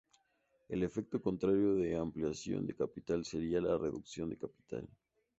El efecto contrario de ampliación de capital sería la reducción de capital.